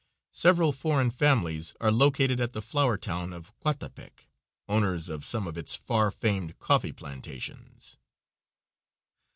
Several foreign families are located at the flower town of Cuatepec, owners of some of its far famed coffee plantations.